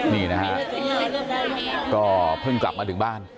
นี่นะฮะก็เพิ่งกลับมาถึงบ้าน